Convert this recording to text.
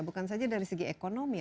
bukan saja dari segi ekonomi